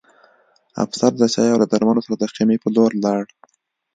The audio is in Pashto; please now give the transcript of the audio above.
افسر د چای او درملو سره د خیمې په لور لاړ